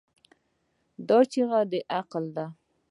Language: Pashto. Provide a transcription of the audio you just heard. دا چیغه د عقل ده.